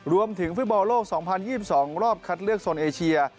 รวมถึงฟุตบอลโลก๒๐๒๒รอบคัดเลือกโซนเอเชีย